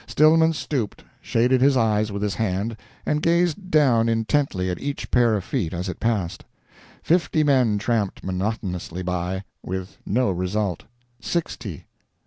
Stillman stooped, shaded his eyes with his hand, and gazed down intently at each pair of feet as it passed. Fifty men tramped monotonously by with no result. Sixty.